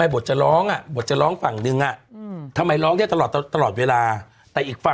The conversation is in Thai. มันก็ต่างคนต่างมุมมองใช่ไหมล่ะ